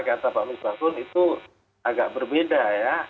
kata pak misbahun itu agak berbeda ya